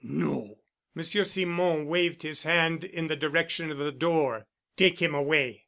"No." Monsieur Simon waved his hand in the direction of the door. "Take him away.